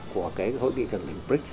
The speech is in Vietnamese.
của cái hội nghị trận đỉnh brics